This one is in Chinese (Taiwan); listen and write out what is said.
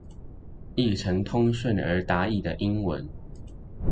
譯成通順而達意的英文